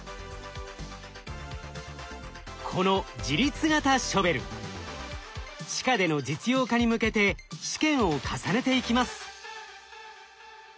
この自律型ショベル地下での実用化に向けて試験を重ねていきます。